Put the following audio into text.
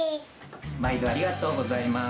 まいどありがとうございます。